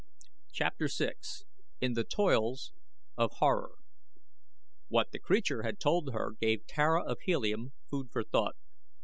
CHAPTER VI IN THE TOILS OF HORROR What the creature had told her gave Tara of Helium food for thought.